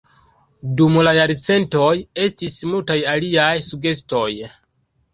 Dum la jarcentoj, estis multaj aliaj sugestoj.